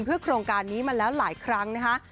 เพื่อโครงการนี้มาแล้วหลายครั้งนะคะ